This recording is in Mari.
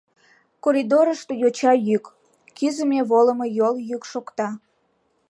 Коридорышто йоча йӱк, кӱзымӧ-волымо йолйӱк шокта.